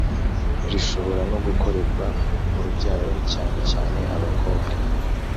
rishobora no gukorerwa urubyaro cyanecyane abakobwa